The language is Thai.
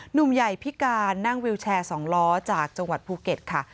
หนุ่มใหญ่พิการนั่งวิวแชร์๒ล้อจากจังหวัดภูเก็ตค่ะ